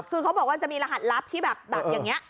คือเขาบอกว่าจะมีรหัสลับที่แบบอย่างนี้